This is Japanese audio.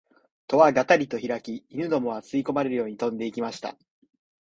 戸はがたりとひらき、犬どもは吸い込まれるように飛んで行きました